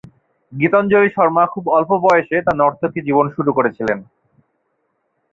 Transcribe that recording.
গীতাঞ্জলি শর্মা খুব অল্প বয়সে তাঁর নর্তকী জীবন শুরু করেছিলেন।